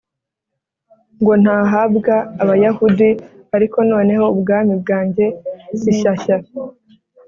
Ngo ntahabwa abayahudi ariko noneho ubwami bwanjye si shyashya